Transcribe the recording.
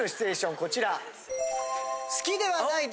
こちら。